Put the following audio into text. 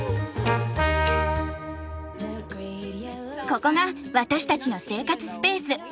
ここが私たちの生活スペース。